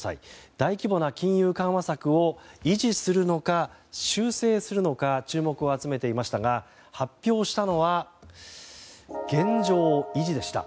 大規模な金融緩和策を維持するのか修正するのか注目を集めていましたが発表したのは現状維持でした。